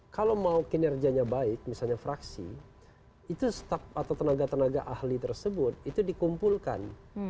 kalau mau kinerjanya baik misalnya fraksi itu staff atau tenaga tenaga ahli tersebut itu dikumpulkan